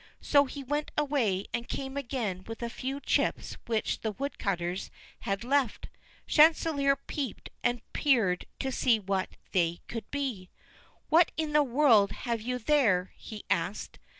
So he went away, and came again with a few chips which the woodcutters had left. Chanticleer peeped and peered to see what they could be. "What in the world have you there?" he asked.